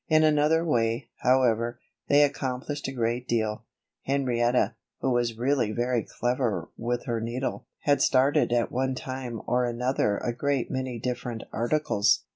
In another way, however, they accomplished a great deal. Henrietta, who was really very clever with her needle, had started at one time or another a great many different articles.